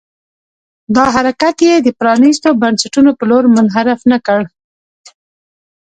دا حرکت یې د پرانيستو بنسټونو په لور منحرف نه کړ.